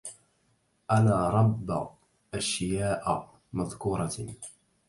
ألا رب أشياء مذكورة